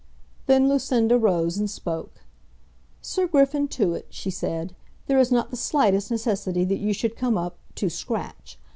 Then Lucinda rose and spoke. "Sir Griffin Tewett," she said, "there is not the slightest necessity that you should come up 'to scratch.'